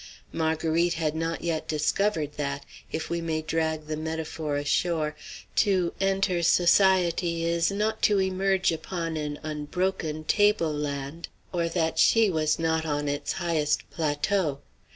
Marguerite had not yet discovered that if we may drag the metaphor ashore to enter society is not to emerge upon an unbroken table land, or that she was not on its highest plateau.